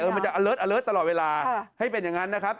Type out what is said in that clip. มันจะอเลิศอเลิศตลอดเวลาให้เป็นอย่างนั้นนะครับ